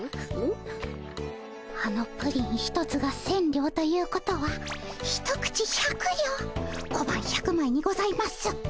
あのプリン一つが千両ということは一口百両小判１００まいにございます。